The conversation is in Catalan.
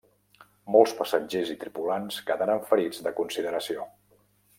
Molts passatgers i tripulants quedaren ferits de consideració.